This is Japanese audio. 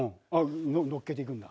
乗っけて行くんだ。